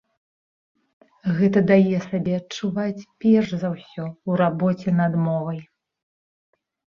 Гэта дае сабе адчуваць перш за ўсё ў рабоце над мовай.